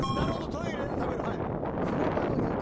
トイレで食べる。